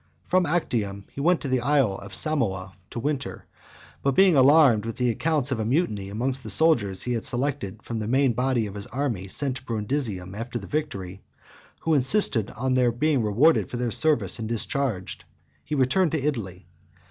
From Actium he went to the isle of Samoa to winter; but being alarmed with the accounts of a mutiny amongst the soldiers he had selected from the main body of his army sent to Brundisium after the victory, who insisted on their being rewarded for their service and discharged, he returned to Italy.